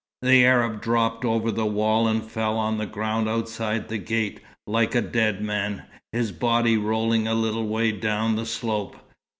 The Arab dropped over the wall and fell on the ground outside the gate, like a dead man, his body rolling a little way down the slope.